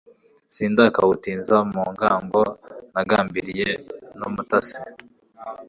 sindakawutinza mu ngango nagambiliye numutasi